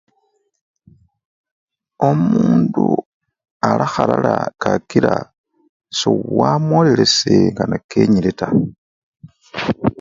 Omundu alakhalala kakila sewamwolelesele nga nekenyile taa.